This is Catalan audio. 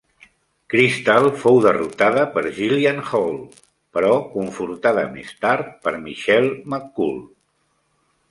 Kristal fou derrotada per Jillian Hall, però confortada més tard per Michelle McCool.